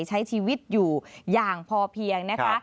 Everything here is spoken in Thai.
ใช้ชีวิตอยู่อย่างพอเพียงนะคะ